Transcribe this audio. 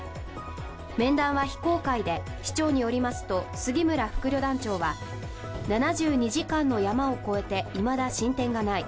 面談は非公開で市長によりますと、杉村副旅団長は７２時間のヤマを超えていまだ進展がない。